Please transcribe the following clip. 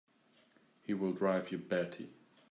He'll drive you batty!